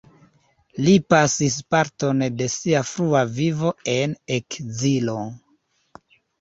Li pasis parton de sia frua vivo en ekzilo.